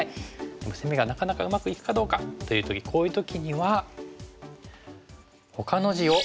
でも攻めがなかなかうまくいくかどうかという時こういう時には。